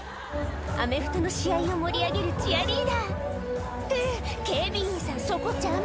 アメフトの試合を盛り上げるチアリーダーって警備員さんそこ邪魔！